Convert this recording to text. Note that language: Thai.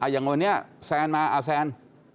อย่างวันนี้แซนมาแซน